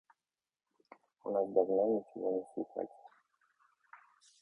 – У нас давно ничего не слыхать.